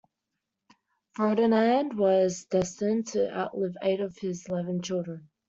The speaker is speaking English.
Ferdinand was destined to outlive eight of his eleven children.